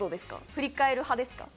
振り返る派ですか？